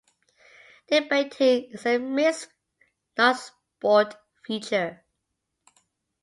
Debating is a mixed non-sport feature.